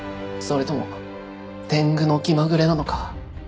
それとも天狗の気まぐれなのか。